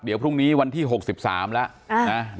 เดี๋ยวพรุ่งนี้วันที่๖๓แล้วนะ